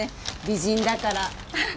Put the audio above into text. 美人だから。